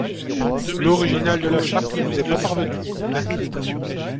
L’original de la charte ne nous est pas parvenu.